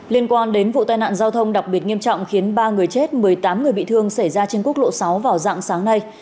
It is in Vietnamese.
liên quan đến vụ tai nạn giao thông đặc biệt nghiêm trọng khiến ba người chết một mươi tám người bị thương xảy ra trên quốc lộ sáu vào dạng sáng nay